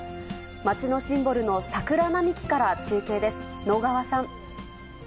町のシンボルの桜並木から中継です。